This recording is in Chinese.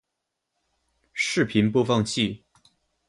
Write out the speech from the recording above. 视频播放器